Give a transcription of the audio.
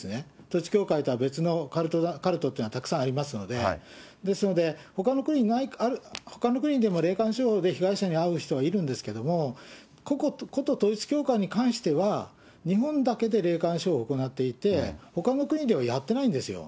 統一教会とは別のカルトっていうのはたくさんありますので、ですので、ほかの国でも霊感商法で被害者に遭う人はいるんですけど、こと統一教会に関しては、日本だけで霊感商法を行っていて、ほかの国ではやってないんですよ。